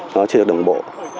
nó chưa được đồng bộ